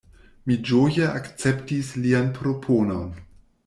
Mi ĝoje akceptis lian proponon.